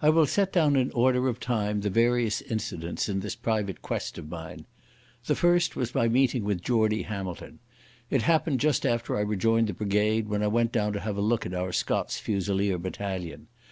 I will set down in order of time the various incidents in this private quest of mine. The first was my meeting with Geordie Hamilton. It happened just after I rejoined the brigade, when I went down to have a look at our Scots Fusilier battalion.